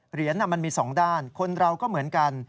มันมี๒ด้านคนเราก็เหมือนกัน